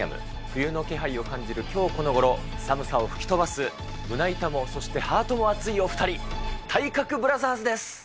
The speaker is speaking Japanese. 冬の気配を感じるきょうこのごろ、寒さを吹き飛ばす、胸板も、そしてハートもあついお２人、体格ブラザーズです。